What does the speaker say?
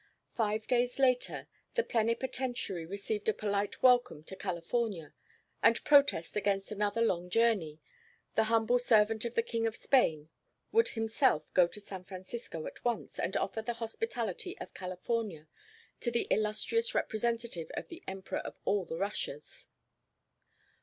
Five days later the plenipotentiary received a polite welcome to California, and protest against another long journey; the humble servant of the King of Spain would himself go to San Francisco at once and offer the hospitality of California to the illustrious representative of the Emperor of all the Russias.